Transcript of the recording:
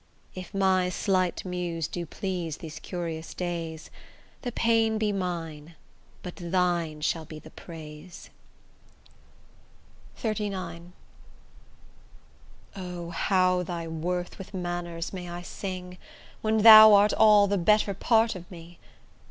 If my slight muse do please these curious days, The pain be mine, but thine shall be the praise. XXXIX O! how thy worth with manners may I sing, When thou art all the better part of me?